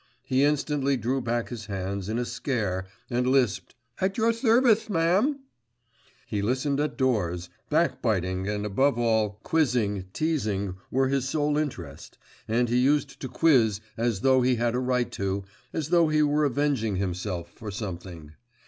He instantly drew back his hands, in a scare, and lisped, 'At your service, ma'am!' Listening at doors, backbiting, and, above all, quizzing, teasing, were his sole interest, and he used to quiz as though he had a right to, as though he were avenging himself for something.